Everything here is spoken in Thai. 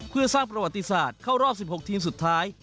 เพื่อสร้างประวัติศาสตร์เข้ารอบ๑๖ทีมสุดท้าย